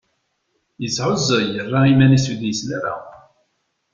Yesεuẓẓeg, yerra iman-is ur d-yesli ara.